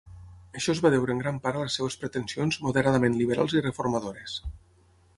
Això es va deure en gran part a les seves pretensions moderadament liberals i reformadores.